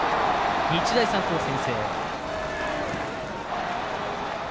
日大三高、先制。